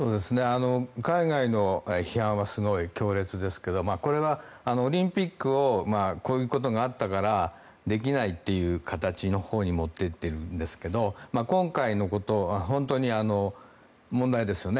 海外の批判はすごい強烈ですけどこれはオリンピックをこういうことがあったからできないという形のほうに持っていっているんですが今回のこと本当に問題ですよね。